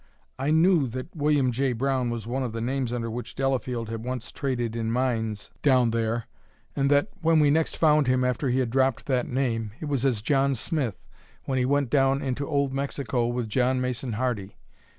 I knew that William J. Brown was one of the names under which Delafield had once traded in mines down there, and that, when we next found him after he had dropped that name, it was as John Smith, when he went down into old Mexico with John Mason Hardy.